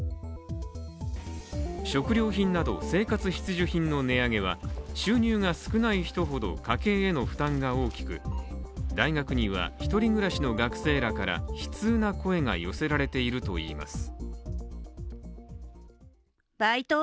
食料品など生活必需品の値上げは収入が少ない人ほど家計への負担が多く、大学には１人暮らしの学生らから悲痛な声が寄せられているといいます。